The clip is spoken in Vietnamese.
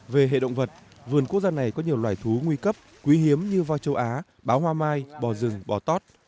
về hệ động vật vườn quốc gia này có nhiều loài thú nguy cấp quý hiếm như hoa châu á báo hoa mai bò rừng bò tót